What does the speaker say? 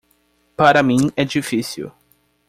Para mim é difícil.